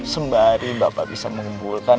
sembari bapak bisa mengumpulkan